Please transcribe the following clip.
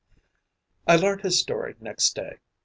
I learnt his story next day.